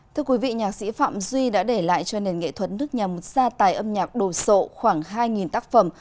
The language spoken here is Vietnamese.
thưa quý vị nhạc sĩ phạm duy đã để lại cho nền nghệ thuật nước nhà một gia tài âm nhạc đồ sộ khoảng hai tác phẩm